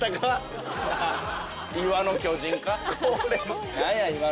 はい。